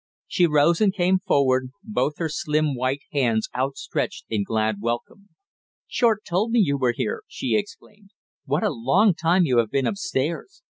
She rose and came forward, both her slim white hands outstretched in glad welcome. "Short told me you were here," she exclaimed. "What a long time you have been upstairs.